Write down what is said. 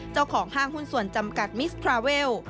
เจ้าของห้างหุ้นส่วนจำกัดมิสพราเวล